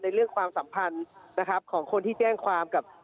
ส่วนเรื่องนี้ในเรื่องความสัมพันธ์ของคนที่แจ้งความ